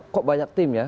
kok banyak tim ya